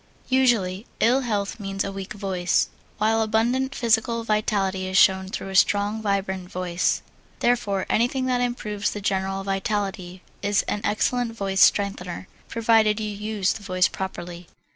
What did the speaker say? Usually, ill health means a weak voice, while abundant physical vitality is shown through a strong, vibrant voice. Therefore anything that improves the general vitality is an excellent voice strengthener, provided you use the voice properly.